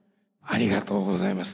ありがとうございます。